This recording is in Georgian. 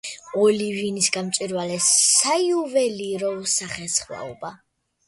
ოლივინის გამჭვირვალე საიუველირო სახესხვაობა.